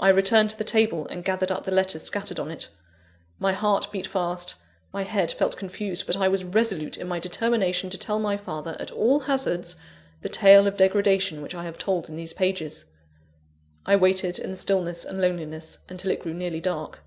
I returned to the table, and gathered up the letters scattered on it. My heart beat fast, my head felt confused; but I was resolute in my determination to tell my father, at all hazards, the tale of degradation which I have told in these pages. I waited in the stillness and loneliness, until it grew nearly dark.